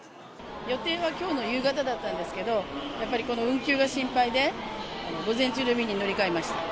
予定はきょうの夕方だったんですけど、やっぱりこの運休が心配で、午前中の便に乗り換えました。